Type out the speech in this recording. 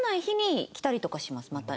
また